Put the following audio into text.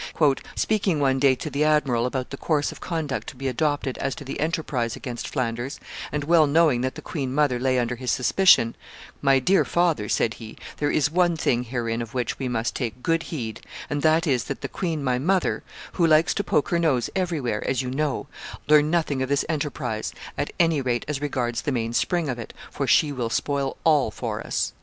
"Speaking one day to the admiral about the course of conduct to be adopted as to the enterprise against Flanders, and well knowing that the queen mother lay under his suspicion, 'My dear father,' said he, 'there is one thing herein of which we must take good heed; and that is, that the queen, my mother, who likes to poke her nose everywhere, as you know, learn nothing of this enterprise, at any rate as regards the main spring of it, for she would spoil all for us.